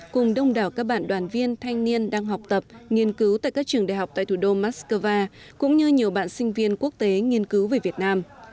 cùng đông đảo các bạn đoàn viên thanh niên đang học tập nghiên cứu tại các trường đại học tại thủ đô moscow cũng như nhiều bạn sinh viên quốc tế nghiên cứu về việt nam